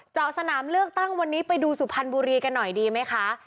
เจาะสนามเลือกตั้งวันนี้ไปดูสุพรรณบุรีกันหน่อยดีไหมคะ